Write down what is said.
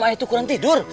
ayah itu kurang tidur